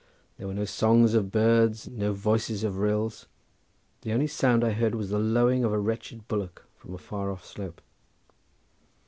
There were no songs of birds, no voices of rills; the only sound I heard was the lowing of a wretched bullock from a far off slope.